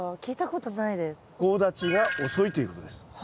聞いたことないです。とう立ちが遅いということです。